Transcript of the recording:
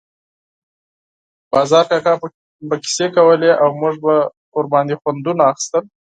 باز کاکا به کیسې کولې او موږ به پرې خوندونه اخیستل.